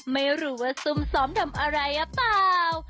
ไม่รู้ว่าซุ่มซ้อมทำอะไรหรือเปล่า